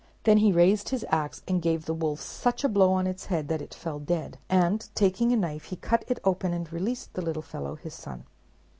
Then he raised his ax, and gave the wolf such a blow on its head that it fell dead, and, taking a knife, he cut it open and released the little fellow, his son.